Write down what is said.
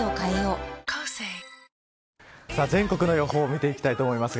全国の予報を見ていきたいと思います。